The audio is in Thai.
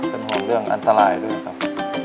เป็นห่วงเรื่องอันตรายด้วยครับ